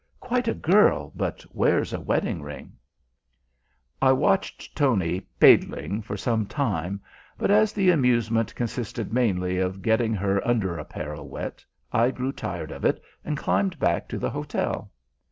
Quite a girl, but wears a wedding ring." I watched Tony "paidling" for some time, but as the amusement consisted mainly of getting her under apparel wet, I grew tired of it, and climbed back to the hotel.